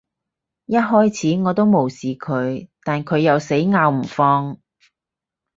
一開始，我都無視佢，但佢又死咬唔放